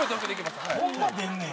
こんな出んねや。